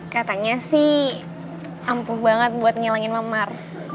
katanya sih ampuh banget buat ngilangin mamar